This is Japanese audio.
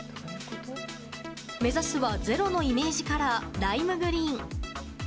目指すは「ｚｅｒｏ」のイメージカラー、ライムグリーン。